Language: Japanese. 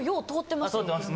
通ってます。